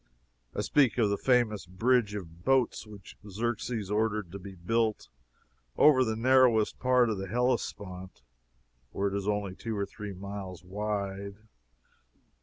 I speak of the famous bridge of boats which Xerxes ordered to be built over the narrowest part of the Hellespont (where it is only two or three miles wide.)